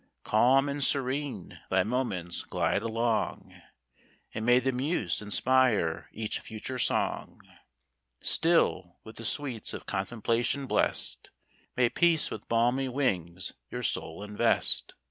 Calm and serene thy moments glide along, And may the muse inspire each future song! Still, with the sweets of contemplation bless'd, May peace with balmy wings your soul invest!